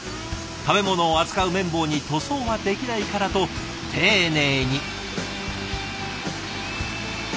食べ物を扱う麺棒に塗装はできないからと丁寧に。